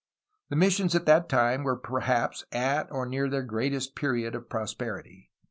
The missions at that time were perhaps at or near their greatest period of prosperity.